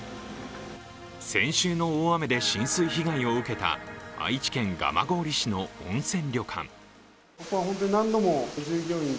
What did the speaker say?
先週の大雨で浸水被害を受けた愛知県蒲郡市の温泉旅館。